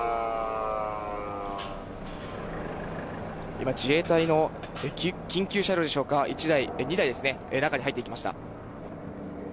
今、自衛隊の緊急車両でしょうか、１台、２台ですね、中に入っていきました。